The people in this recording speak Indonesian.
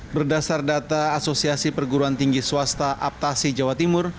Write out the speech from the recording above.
berdasar data asosiasi perguruan tinggi swasta aptasi jawa timur